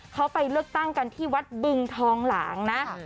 เขาไปเลือกตั้งกันที่วัดบึงทองหลางนะ